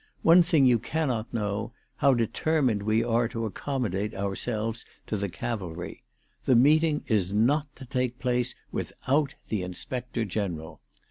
One thing you cannot know, how de termined we are to accommodate ourselves to the Cavalry. The meeting is not to take place without the Inspector General.